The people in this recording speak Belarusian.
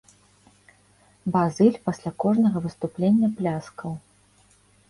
Базыль пасля кожнага выступлення пляскаў.